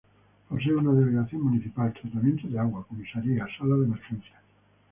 Posee una delegación municipal, tratamiento de agua, comisaría, sala de emergencias.